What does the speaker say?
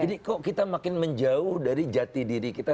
jadi kok kita makin menjauh dari jati diri kita